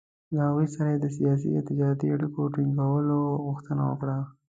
له هغوی سره یې د سیاسي او تجارتي اړیکو ټینګولو غوښتنه وکړه.